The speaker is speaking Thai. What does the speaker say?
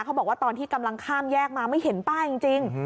เขาบอกว่าตอนที่กำลังข้ามแยกมาไม่เห็นป้าจริง